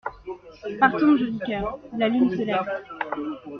Partons, joli coeur, la lune se lève.